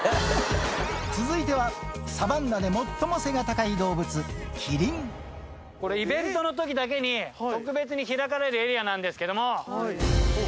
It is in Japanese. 続いてはサバンナで最も背がこれ、イベントのときだけに特別に開かれるエリアなんですけれども。